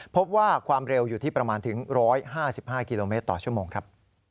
พบว่าความเร็วอยู่ที่ประมาณถึง๑๕๕กิโลเมตรต่อชั่วโมงครับ